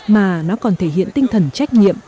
mà nó còn thể hiện tinh thần trách nhiệm